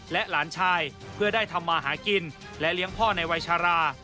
และหลานชายเพื่อได้ทำมาหากินและเลี้ยงพ่อในวัยชารา